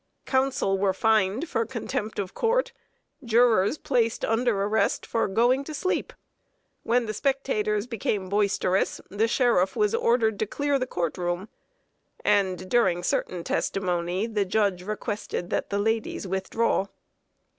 Counsel were fined for contempt of court, jurors placed under arrest for going to sleep. When the spectators became boisterous, the sheriff was ordered to clear the court room, and, during certain testimony, the judge requested that the ladies withdraw.